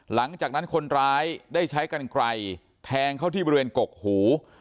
หลังจากนั้นคนร้ายได้ใช้กันไกลแทงเข้าที่บริเวณกกหู